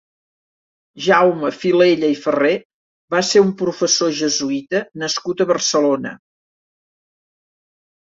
Jaume Filella i Ferrer va ser un professor jesuïta nascut a Barcelona.